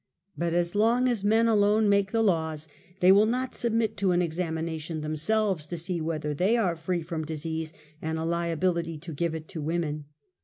But as long as men alone make the laws, they will not submit to an examination themselves, to see ■whether they are free from disease, and a liability to give it to women.